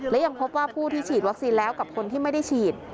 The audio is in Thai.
และยังพบว่าผู้ที่ฉีดวัคซีนแล้วกับคนที่ไม่ได้ฉีด